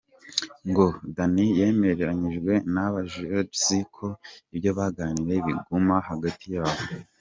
Ngo Danny yemeranyijwe n’aba Judges ko ibyo baganiriye biguma hagati y’abo.